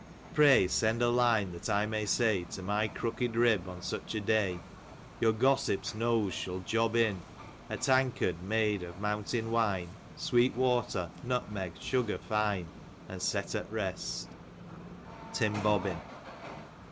Pray send a line, that I may say, To my CrooTc'd nb, on such a day, Tour gossip's nose shall job in A tankard made of Mountain Wine, Sweet water, nutmeg, sugar fine, And set at rest TIM BOBBIN.